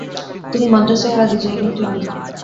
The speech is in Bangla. তিনি মাদ্রাসায়ে আজিজিয়ায় ভর্তি হন।